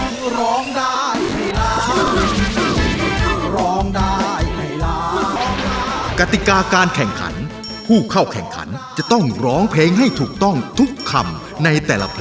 ต้องการแบบนี้ทั้งแค่๖แผ่นป้ายแต่ก็จะได้ร้องได้